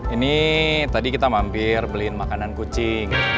ini tadi kita mampir beliin makanan kucing